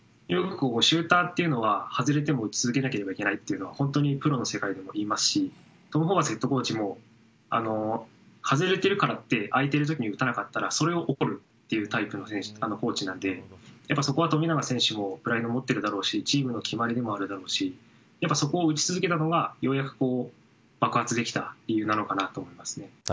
シューターというのは外れても打ち続けなければいけないというのは本当にプロの世界でも言いますしホーバスヘッドコーチも外れているからと打たなかったらそれを怒るというタイプのコーチなのでそこは富永選手も思ってるだろうしチームの決まりでもあるだろうしそこを打ち続けたのがようやく爆発できた理由なのかと思います。